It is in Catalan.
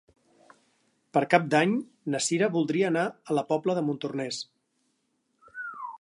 Per Cap d'Any na Sira voldria anar a la Pobla de Montornès.